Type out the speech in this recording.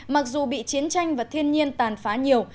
mặc dù bị chiến tranh và thiên nhiên tàn phá nhiều